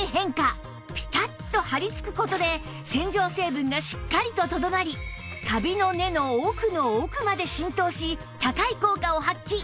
ピタッと張りつく事で洗浄成分がしっかりととどまりカビの根の奥の奥まで浸透し高い効果を発揮